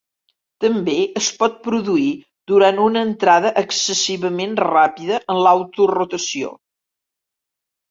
També es pot produir durant una entrada excessivament ràpida en l'autorotació.